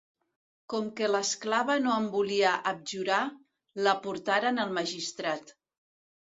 Com que l'esclava no en volia abjurar, la portaren al magistrat.